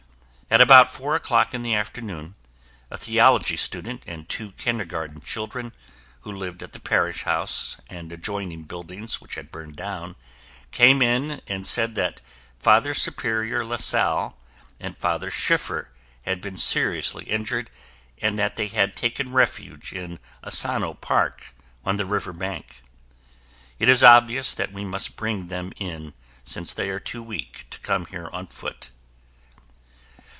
At about four o'clock in the afternoon, a theology student and two kindergarten children, who lived at the Parish House and adjoining buildings which had burned down, came in and said that Father Superior LaSalle and Father Schiffer had been seriously injured and that they had taken refuge in Asano Park on the river bank. It is obvious that we must bring them in since they are too weak to come here on foot.